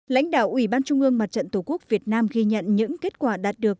lãnh đạo ủy ban trung ương mặt trận tổ quốc việt nam ghi nhận những kết quả đạt được